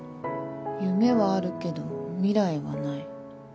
夢はあるけど未来はない。